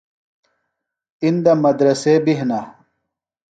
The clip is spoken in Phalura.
اندہ مدرسے بیۡ ہِنہ۔